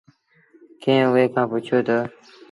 ڪݩهݩ اُئي کآݩ پُڇيو تا